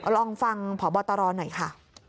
ลองฟังพบตรหน่อยค่ะ